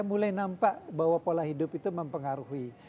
mulai nampak bahwa pola hidup itu mempengaruhi